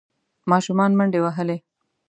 ماشومان منډې وهلې.